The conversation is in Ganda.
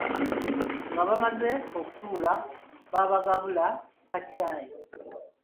Nga bamaze okutuula, baabagabula ka caayi.